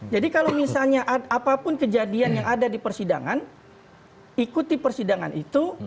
kalau misalnya apapun kejadian yang ada di persidangan ikuti persidangan itu